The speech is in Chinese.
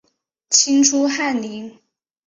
清初翰林。